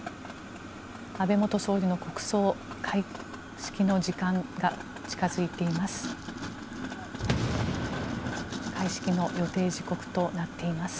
安倍元総理の国葬開式の時間が近付いています。